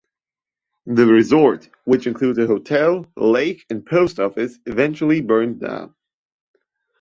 The resort, which included a hotel, lake, and post office, eventually burned down.